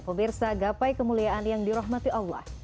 pemirsa gapai kemuliaan yang dirahmati allah